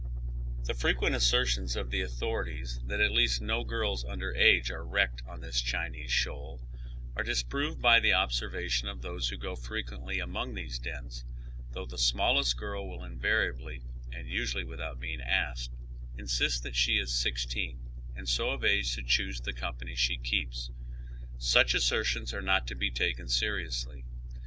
The frequent assertions of the authorities that at least no girls under age are wrecked on this Chinese shoal, are disproved by the observation of those who go frequently among these dens, though the smallest girl will invariably, and usually without being asked, insist that she is sixteen, and so of age to choose the company she keeps. Such as sertions are not to be taken seriously.